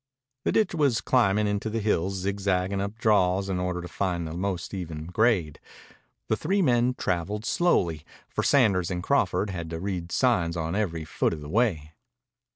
The ditch was climbing into the hills, zigzagging up draws in order to find the most even grade. The three men traveled slowly, for Sanders and Crawford had to read sign on every foot of the way.